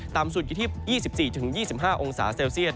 สุดอยู่ที่๒๔๒๕องศาเซลเซียต